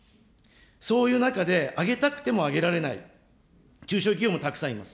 そういう中で、上げたくても上げられない中小企業もたくさんいます。